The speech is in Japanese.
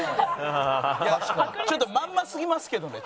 いやちょっとまんますぎますけどね。